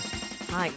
「はい」